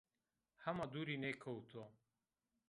Hema dûrî nêkewto